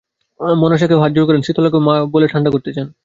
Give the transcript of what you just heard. মনসাকেও হাতজোড় করেন, শীতলাকেও মা বলে ঠাণ্ডা করতে চান।